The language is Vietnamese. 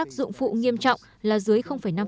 các tác dụng phụ nghiêm trọng là dưới năm